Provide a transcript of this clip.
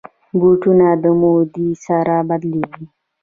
بوټونه د مودې سره بدلېږي.